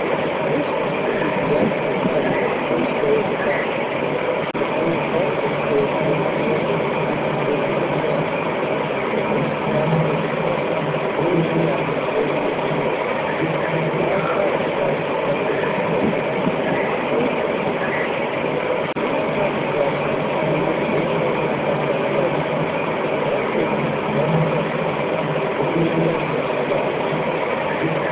"This concluded the actual fighting on the first day of the battle. But during all this day the engineers had been busy bridging the Canal. This task was entrusted to the 3rd. Bat talion Canadian Engineers. Five traffic crossings had to be constructed and four footbridges. The first traffic crossing was completed at 8.40 o clock that morning. All bridges, with one exception, were completed by 6 o clock in the evening.